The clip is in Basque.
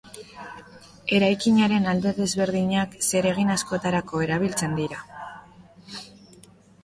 Eraikinaren alde desberdinak zeregin askotarako erabiltzen dira.